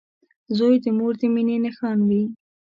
• زوی د مور د مینې نښان وي.